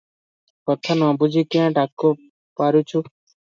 କଥା ନ ବୁଝି କ୍ୟାଁ ଡକା ପାରୁଛୁ?